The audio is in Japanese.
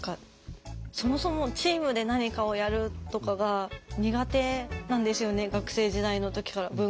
そもそもチームで何かをやるとかが苦手なんですよね学生時代の時から。